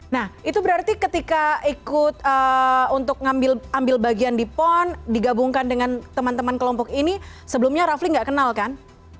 nah itu berarti ketika ikut untuk ambil bagian di pon digabungkan dengan teman teman kelompok ini sebelumnya rafli nggak kenal kan